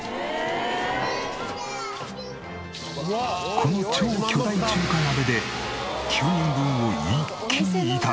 この超巨大中華鍋で９人分を一気に炒める。